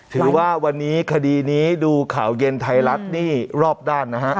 ถือว่าวันนี้คดีนี้ดูข่าวเย็นไทยรัฐนี่รอบด้านนะฮะ